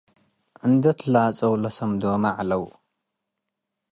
እንዴ ትላጸው ለሰምዶመ ዐለው ።